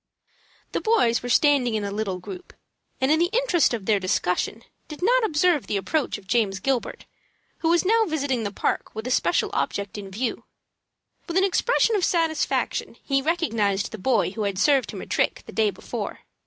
The boys were standing in a little group, and in the interest of their discussion did not observe the approach of James Gilbert, who was now visiting the park with a special object in view. With an expression of satisfaction he recognized the boy who had served him a trick the day before.